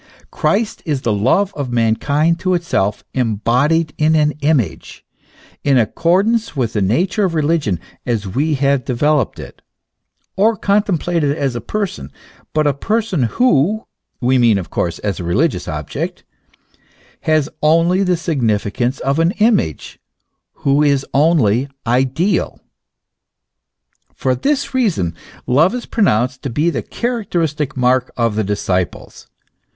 Christ is the love of mankind to itself embodied in an image in accordance with the nature of religion as we have developed it or con templated as a person, but a person who (we mean, of course, as a religious object) has only the significance of an image, who is only ideal. For this reason love is pronounced to be the characteristic mark of the disciples.